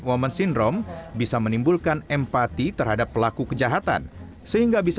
woman syndrome bisa menimbulkan empati terhadap pelaku kejahatan sehingga bisa